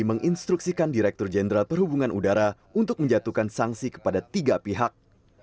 menginstruksikan direktur jenderal perhubungan udara untuk menjatuhkan sanksi kepada tiga pihak